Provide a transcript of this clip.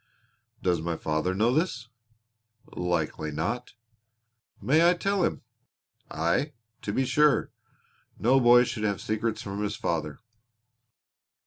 "Does my father know this?" "Likely not." "May I tell him?" "Aye, to be sure. No boy should have secrets from his father."